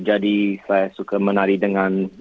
jadi saya suka menari dengan